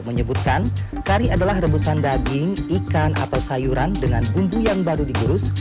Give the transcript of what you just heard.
menyebutkan kari adalah rebusan daging ikan atau sayuran dengan bumbu yang baru dikurus